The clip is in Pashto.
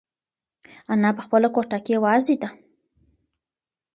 انا په خپله کوټه کې یوازې ده.